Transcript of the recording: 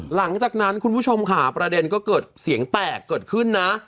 หลังจากนั้นคุณผู้ชมค่ะประเด็นก็เกิดเสียงแตกเกิดขึ้นนะ